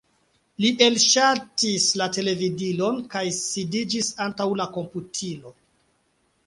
Li elŝaltis la televidilon kaj sidiĝis antaŭ la komputilo.